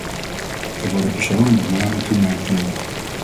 Er worden personen met naam en toenaam genoemd.